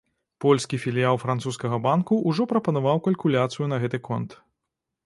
Польскі філіял французскага банку ўжо прапанаваў калькуляцыю на гэты конт.